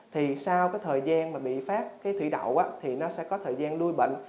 thì sau thời gian mà bị phát thủy đậu thì nó sẽ có thời gian lui bệnh